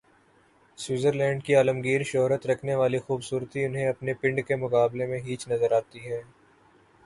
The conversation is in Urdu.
سوئٹزر لینڈ کی عالمگیر شہرت رکھنے والی خوب صورتی انہیں اپنے "پنڈ" کے مقابلے میں ہیچ نظر آتی ہے۔